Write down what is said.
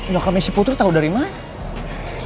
lokomisi putri tau dari mana